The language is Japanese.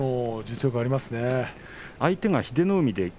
相手の英乃海